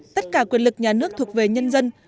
tất cả quyền lực nhà nước thuộc về nhân dân